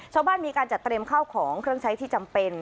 ชาวบ้านมีการจัดเตรียมข้าวของเครื่องใช้ที่จำเป็น